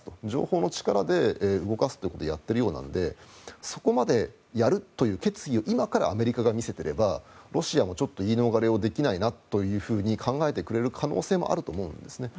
情報の力で動かすとやっているようなのでそこまでやるという決意を今からアメリカが見せていればロシアもちょっと言い逃れできないなと考えてくれる可能性もあると思うんです。